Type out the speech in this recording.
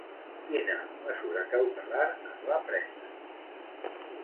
Quina mesura cautelar es va prendre?